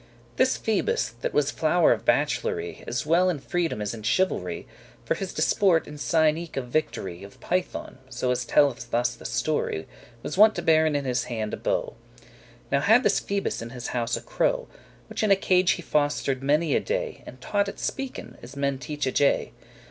This Phoebus, that was flower of bach'lery, As well in freedom* as in chivalry, *generosity For his disport, in sign eke of victory Of Python, so as telleth us the story, Was wont to bearen in his hand a bow. Now had this Phoebus in his house a crow, Which in a cage he foster'd many a day, And taught it speaken, as men teach a jay.